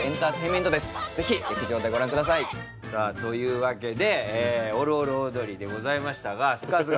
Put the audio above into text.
ぜひ劇場でご覧ください。というわけで『おるおるオードリー』でございましたが。